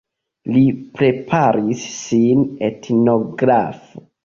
Li preparis sin etnografo.